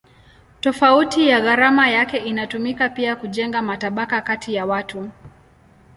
Tofauti ya gharama yake inatumika pia kujenga matabaka kati ya watu.